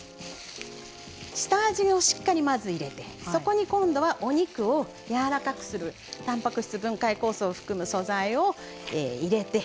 下味をしっかりまず入れてそこに今度はお肉をやわらかくするたんぱく質分解酵素を含む素材を入れて